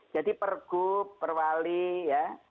jadi pergub perwali ya